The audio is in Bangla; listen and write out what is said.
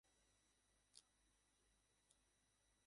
যে অবশ্যসম্ভাবী ভবিষ্যদ্বাণী তুমি ধারণ করবে।